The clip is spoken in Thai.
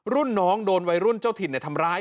รุ่นน้องโดนวัยรุ่นเจ้าถิ่นทำร้าย